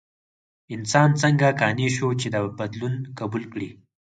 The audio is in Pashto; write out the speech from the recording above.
انسان څنګه قانع شو چې دا بدلون قبول کړي؟